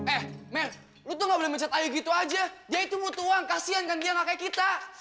eh mer lo tuh nggak boleh mecat ayu gitu aja dia itu butuh uang kasian kan dia nggak kayak kita